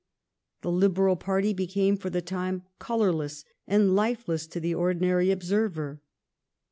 The Liberal party became for the time colorless and lifeless to the ordinary observer.